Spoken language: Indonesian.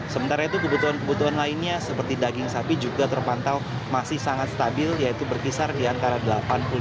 sementara itu kebutuhan kebutuhan lainnya seperti daging sapi juga terpantau masih sangat stabil yaitu berkisar di antara rp delapan puluh lima